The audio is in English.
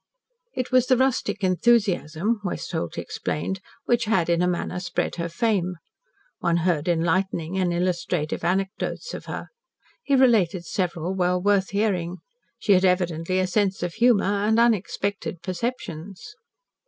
It was the rustic enthusiasm, Westholt explained, which had in a manner spread her fame. One heard enlightening and illustrative anecdotes of her. He related several well worth hearing. She had evidently a sense of humour and unexpected perceptions.